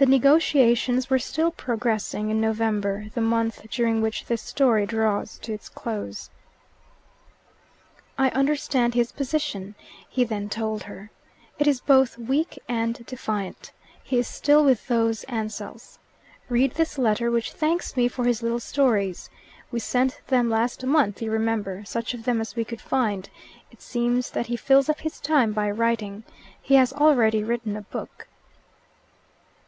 The negotiations were still progressing in November, the month during which this story draws to its close. "I understand his position," he then told her. "It is both weak and defiant. He is still with those Ansells. Read this letter, which thanks me for his little stories. We sent them last month, you remember such of them as we could find. It seems that he fills up his time by writing: he has already written a book."